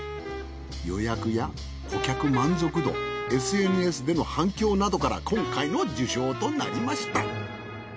予約や顧客満足度ＳＮＳでの反響などから今回の受賞となりました。